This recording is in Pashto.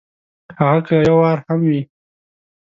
هغه که یو وار هم وي !